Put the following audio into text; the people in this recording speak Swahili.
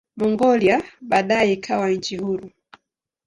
Mongolia baadaye ikawa nchi huru.